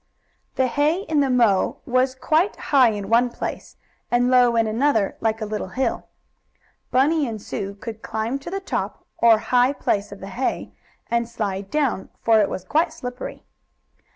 The hay in the mow was quite high in one place, and low in another, like a little hill. Bunny and Sue could climb to the top, or high place of the hay, and slide down, for it was quite slippery.